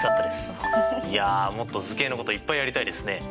いやもっと図形のこといっぱいやりたいですね！